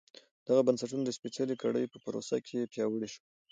دغه بنسټونه د سپېڅلې کړۍ په پروسه کې پیاوړي شول.